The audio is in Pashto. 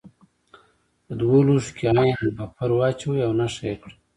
په دوه لوښو کې عین بفر واچوئ او نښه یې کړئ.